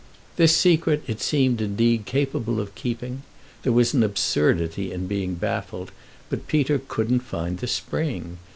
This secret it seemed indeed capable of keeping; there was an absurdity in being baffled, but Peter couldn't find the spring.